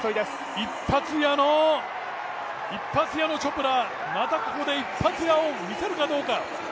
一発屋のチョプラ、またここで一発屋を見せるかどうか。